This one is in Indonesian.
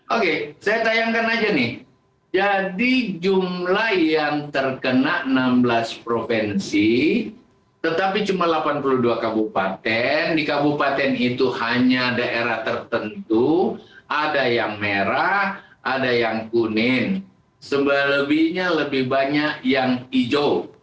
oke saya tayangkan aja nih jadi jumlah yang terkena enam belas provinsi tetapi cuma delapan puluh dua kabupaten di kabupaten itu hanya daerah tertentu ada yang merah ada yang kuning sebaliknya lebih banyak yang hijau